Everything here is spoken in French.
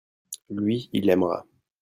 lui, il aimera.